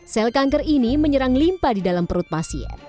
sel kanker ini menyerang limpa di dalam perut pasien